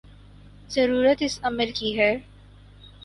ضرورت اس امر کی ہے